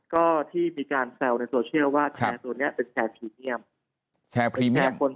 ก็ที่มีการแซวในโซเชียลว่าแชร์ตัวนี้เป็นแชร์พรีเมียม